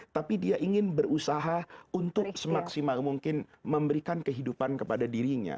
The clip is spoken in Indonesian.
tapi dia ingin berusaha untuk semaksimal mungkin memberikan kehidupan kepada dirinya